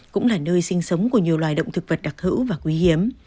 cũng là nơi sinh sống của nhiều loài động thực vật đặc hữu và quý hiếm